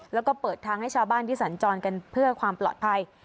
แล้วก็เปิดทางให้ชาวบ้านที่สัญจรกันเพื่อความปลอดภัย